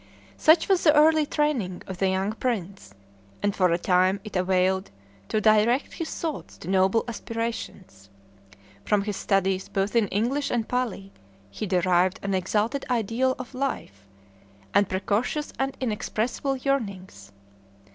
Such was the early training of the young prince, and for a time it availed to direct his thoughts to noble aspirations. From his studies, both in English and Pali, he derived an exalted ideal of life, and precocious and inexpressible yearnings.